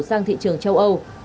sang thị trường châu âu